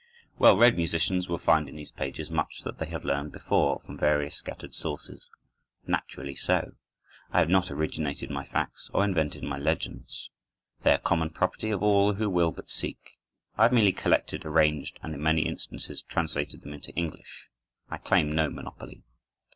Well read musicians will find in these pages much that they have learned before from various scattered sources. Naturally so. I have not originated my facts or invented my legends. They are common property for all who will but seek. I have merely collected, arranged, and, in many instances, translated them into English. I claim no monopoly.